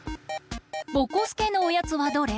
ぼこすけのおやつはどれ？